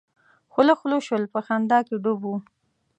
خوله خوله شول په خندا کې ډوب وو.